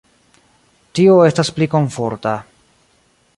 Tio estas pli komforta.